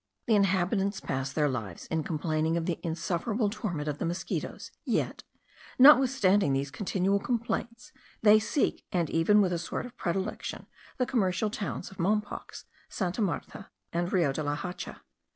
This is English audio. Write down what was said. The inhabitants pass their lives in complaining of the insufferable torment of the mosquitos, yet, notwithstanding these continual complaints, they seek, and even with a sort of predilection, the commercial towns of Mompox, Santa Marta, and Rio de la Hacha.